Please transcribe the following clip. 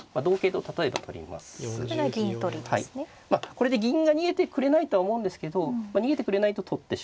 これで銀が逃げてくれないとは思うんですけど逃げてくれないと取ってしまう。